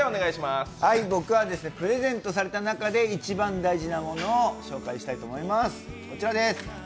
僕はプレゼントされた中で一番大事なものを紹介したいと思います。